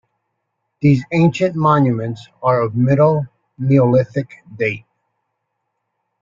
These ancient monuments are of middle Neolithic date.